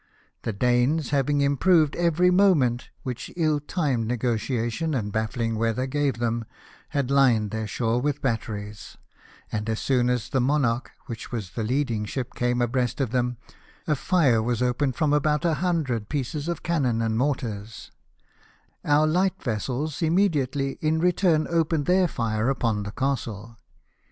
The Danes, having improved every moment which ill timed negotiation and bafliing weather gave them, had lined their shore with batteries ; and as soon as the Monarch, which was the leading ship, came abreast of them, a fire Avas opened from about a hun dred pieces of cannon and mortars, our light vessels immediately, in return, opened their fire upon the castle.